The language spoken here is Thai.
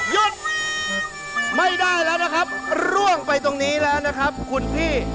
หยุดไม่ได้แล้วนะครับร่วงไปตรงนี้แล้วนะครับคุณพี่